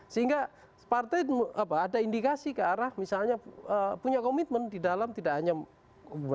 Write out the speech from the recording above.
sehingga partai ada indikasi ke arah misalnya punya komitmen di dalam tidak hanya berpen